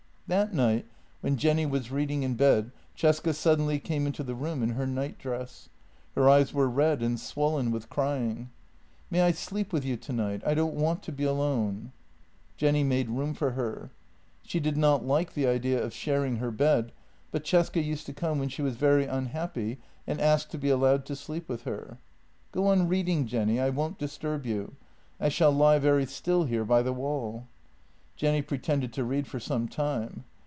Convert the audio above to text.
That night, when Jenny was reading in bed, Cesca suddenly came into the room in her nightdress. Her eyes were red and swollen with crying. " May I sleep with you tonight? I don't want to be alone." Jenny made room for her. She did not like the idea of shar ing her bed, but Cesca used to come when she was very unhappy and ask to be allowed to sleep with her. " Go on reading, Jenny; I won't disturb you. I shall lie very still here by the wall." Jenny pretended to read for some time.